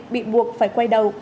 bị buộc phải quay đầu